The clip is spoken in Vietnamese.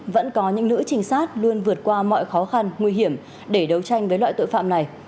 vẫn có những nữ trinh sát luôn vượt qua mọi khó khăn nguy hiểm để đấu tranh với loại tội phạm này